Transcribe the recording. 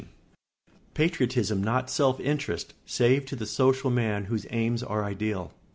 [Sidenote: Patriotism not self interest, save to the social man whose aims are ideal.